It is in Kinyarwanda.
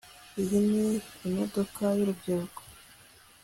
iyi ni imodoka y'urubyiruko